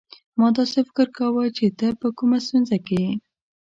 ما داسي فکر کاوه چي ته په کومه ستونزه کې يې.